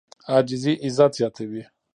عاجزي عزت زیاتوي.